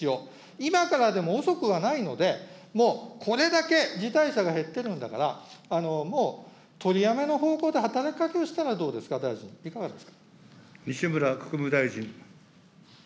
今からでも遅くはないので、もうこれだけ減っているんだからもう取りやめの方向で働きかけをしたらどうですか、大臣、いかがですか。